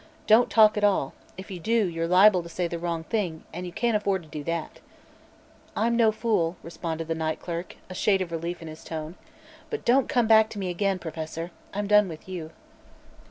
Don't talk at all; if you do, you're liable to say the wrong thing and you can't afford to do that." "I'm no fool," responded the night clerk, a shade of relief in his tone. "But don't come to me again, Professor. I'm done with you."